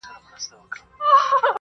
او قاضي ته یې د میني حال بیان کړ؛